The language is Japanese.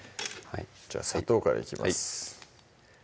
じゃあ砂糖からいきます